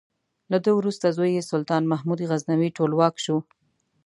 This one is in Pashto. له ده وروسته زوی یې سلطان محمود غزنوي ټولواک شو.